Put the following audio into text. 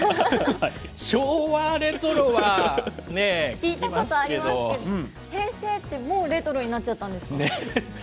昭和レトロはね、聞いたことありますけど、平成って、もうレトロになっちゃったんですか？